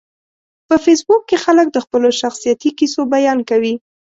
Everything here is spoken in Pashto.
په فېسبوک کې خلک د خپلو شخصیتي کیسو بیان کوي